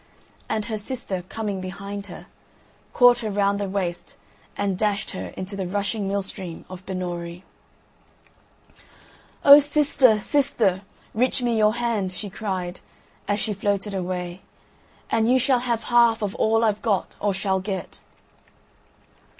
And her sister, coming behind her, caught her round the waist and dashed her into the rushing mill stream of Binnorie. "O sister, sister, reach me your hand!" she cried, as she floated away, "and you shall have half of all I've got or shall get."